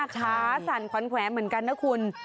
ขาสั่นขวัญแขวนเหมือนกันนะคุณ